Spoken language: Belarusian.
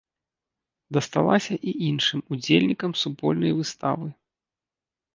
Дасталася і іншым удзельнікам супольнай выставы.